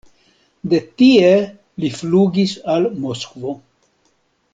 De tie li flugis al Moskvo.